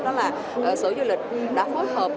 đó là sở du lịch đã phối hợp